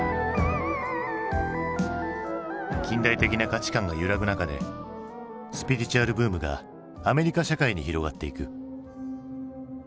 近代的な価値観が揺らぐ中でスピリチュアルブームがアメリカ社会に広がっていく。